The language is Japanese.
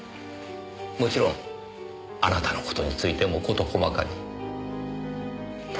もちろんあなたの事についても事細かに。